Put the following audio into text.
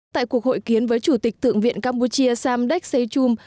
tại cuộc hội kiến với chủ tịch thượng viện campuchia samdek sejchum